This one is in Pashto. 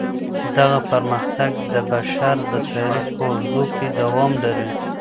دغه پرمختګ د بشر د تاريخ په اوږدو کي دوام لري.